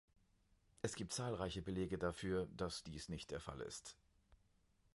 Es gibt zahlreiche Belege dafür, dass dies nicht der Fall ist.